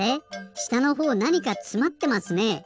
したのほうなにかつまってますね？